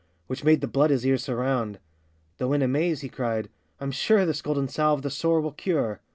Which made the blood his ears surround: Though in amaze, he cried, 'I'm sure This golden salve the sore will cure!